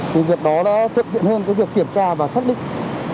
thì việc đó đã thực hiện hơn cái việc kiểm tra và xác định